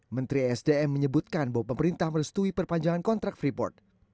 menteri esdm menyebutkan bahwa pemerintah merestui perpanjangan kontrak freeport